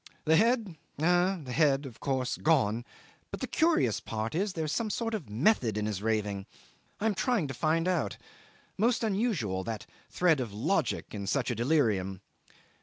The head, ah! the head, of course, gone, but the curious part is there's some sort of method in his raving. I am trying to find out. Most unusual that thread of logic in such a delirium.